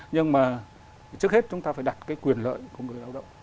nhưng mà trước hết chúng ta phải đặt cái quyền lợi của người lao động